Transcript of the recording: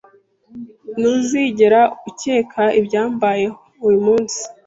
Ntuzigera ukeka ibyambayeho uyu munsi.